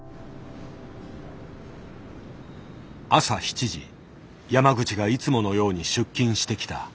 朝７時山口がいつものように出勤してきた。